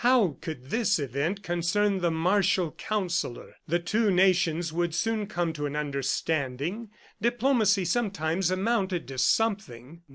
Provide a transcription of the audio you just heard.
How could this event concern the martial Counsellor? The two nations would soon come to an understanding. Diplomacy sometimes amounted to something.